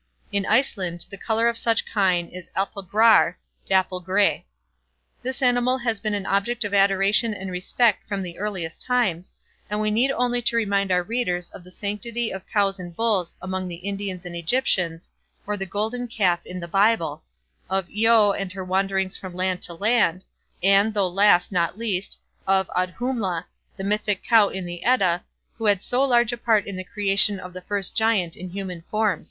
In Iceland the colour of such kine is apalgrár, dapple grey. This animal has been an object of adoration and respect from the earliest times, and we need only remind our readers of the sanctity of cows and bulls among the Indians and Egyptians, of "the Golden Calf" in the Bible; of Io and her wanderings from land to land; and, though last, not least, of Audhumla, the Mythic Cow in the Edda, who had so large a part in the creation of the first Giant in human form.